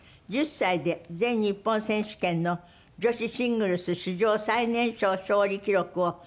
１０歳で全日本選手権の女子シングルス史上最年少勝利記録を。